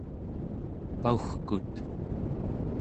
pau͡gkut